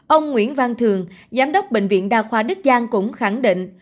ông nguyễn văn thường giám đốc bệnh viện đa khoa đức giang cũng khẳng định